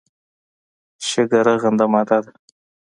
شګه رغنده ماده ده.